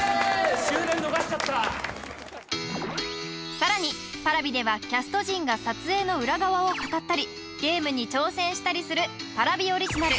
終電逃しちゃったさらにＰａｒａｖｉではキャスト陣が撮影の裏側を語ったりゲームに挑戦したりするＰａｒａｖｉオリジナル